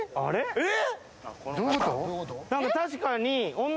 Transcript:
えっ